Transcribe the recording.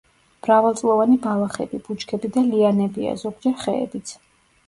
მრავალწლოვანი ბალახები, ბუჩქები და ლიანებია, ზოგჯერ ხეებიც.